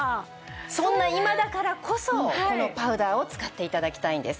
そんな今だからこそこのパウダーを使って頂きたいんです。